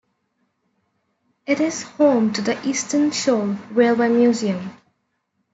It is home to the Eastern Shore Railway Museum.